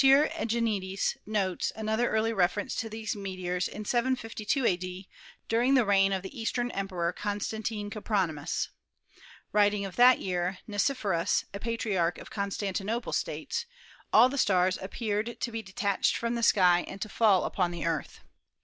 Egenitis notes an other early reference to these meteors in 752 a.d., during the reign of the eastern Emperor Constantine Coprony mous. Writing of that year, Nicephorus, a Patriarch of Constantinople, states: "All the stars appeared to be de tached from the sky and to fall upon the Earth."